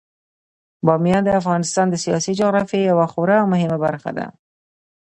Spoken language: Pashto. بامیان د افغانستان د سیاسي جغرافیې یوه خورا مهمه برخه ده.